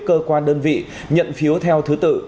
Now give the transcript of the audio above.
cơ quan đơn vị nhận phiếu theo thứ tự